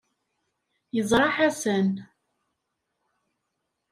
Yeẓra Ḥasan.